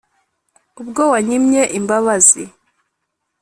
ubwo wanyimye imbabazi